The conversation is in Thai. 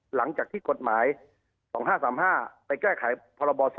หลังจากที่กฎหมาย๒๕๓๕ไปแก้ไขพรบ๒